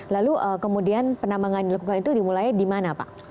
lalu kemudian penambangan dilakukan itu dimulai di mana pak